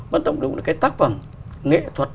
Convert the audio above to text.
vẫn tận dụng được cái tác phẩm nghệ thuật